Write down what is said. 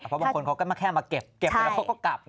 เพราะบางคนเขาก็มาแค่มาเก็บเสร็จแล้วเขาก็กลับ